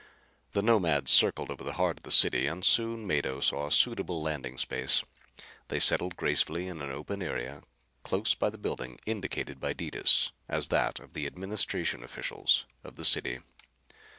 The Nomad circled over the heart of the city and soon Mado saw a suitable landing space. They settled gracefully in an open area close by the building indicated by Detis as that of the administration officials of the city.